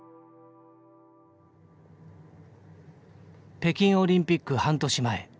北京オリンピック半年前。